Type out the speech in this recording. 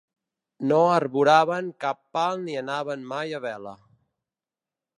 No arboraven cap pal ni anaven mai a vela.